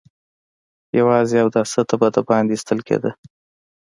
يواځې اوداسه ته به د باندې ايستل کېده.